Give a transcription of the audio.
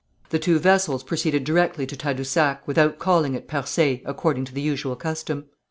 The two vessels proceeded directly to Tadousac, without calling at Percé, according to the usual custom.